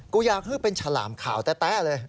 กูอยากให้เป็นฉลามขาวแต๊ะเลย